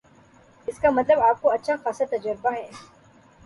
اس کا مطلب آپ کو اچھا خاصا تجربہ ہے